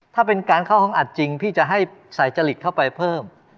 ถ้าเป็นการเข้าห้องอัดจริงพี่จะให้สายจริตเข้าไปเพิ่ม